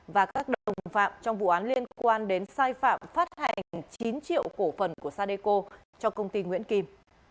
và các đồng phạm trong vụ án liên quan đến sai phạm phát hành chín triệu cổ phần của sadeco cho công ty nguyễn kim